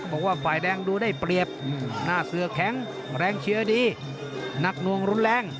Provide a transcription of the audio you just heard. บอกว่าฝ่ายแดงดูได้เปรียบหน้าเสือแข็งแรงเชียร์ดีหนักนวงรุนแรง